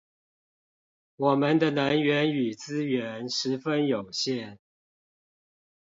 我們的能源與資源十分有限